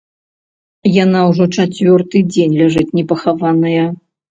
Яна ўжо чацвёрты дзень ляжыць непахаваная.